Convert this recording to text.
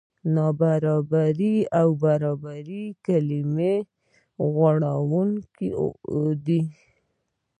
نابرابري او برابري کلمې غولوونکې دي.